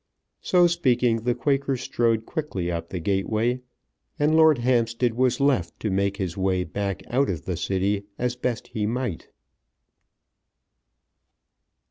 So speaking the Quaker strode quickly up the gateway, and Lord Hampstead was left to make his way back out of the City as best he might.